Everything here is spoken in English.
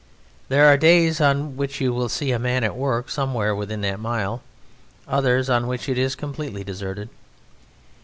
There are days on which you will see a man at work somewhere within that mile, others on which it is completely deserted.